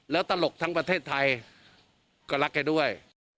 แล้วตลกทั้งประเทศไทยก็รักแกด้วย